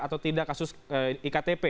atau tidak kasus iktp